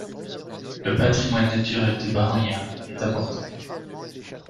Le patrimoine naturel de Baranya est important.